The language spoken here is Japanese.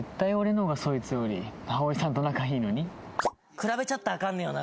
比べちゃったらアカンのよな